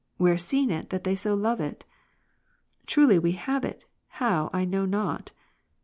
where seen it, that they so love it ? Truly we have it, how, I know not.